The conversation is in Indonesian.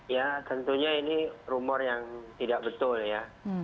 ya tentunya ini rumor yang tidak betul ya